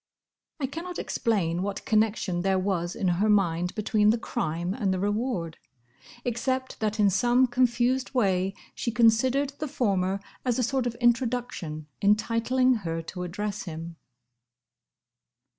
I cannot explain what connection there was in her mind between the crime and the reward, except that in some confused way she considered the former as a sort of introduction entitling her to address him.